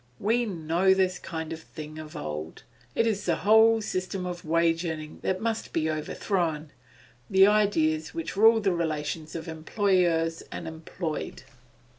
We know this kind of thing of old. It is the whole system of wage earning that must be overthrown the ideas which rule the relations of employers and employed.